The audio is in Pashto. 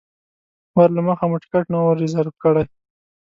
وار له مخه مو ټکټ نه و ریزرف کړی.